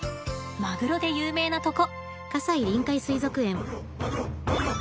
マグロで有名なとこ。